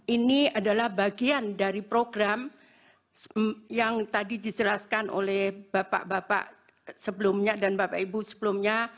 ini adalah bagian dari program yang tadi dijelaskan oleh bapak bapak sebelumnya dan bapak ibu sebelumnya